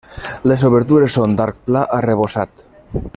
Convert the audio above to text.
Les obertures són d'arc pla arrebossat.